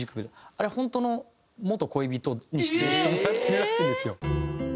あれは本当の元恋人に出演してもらってるらしいんですよ。